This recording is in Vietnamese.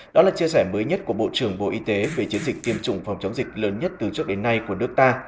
đó là chia sẻ mới nhất của bộ trưởng bộ y tế về chiến dịch tiêm chủng phòng chống dịch lớn nhất từ trước đến nay của nước ta